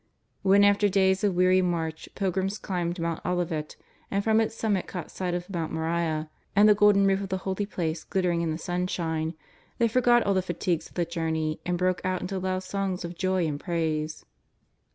When, after days of weary inarch, pilgrims climbed Mount Olivet, and from its summit caught sight of Mount Moriah and the golden roof of the Holy Place glittering in the sunshine, they forgot all the fatigues of the journey and broke out into loud songs of joy and praise.